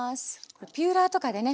ピーラーとかでね